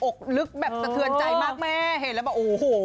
อกลึกแบบสะเทือนใจมากแม่เห็นแล้วแบบโอ้โห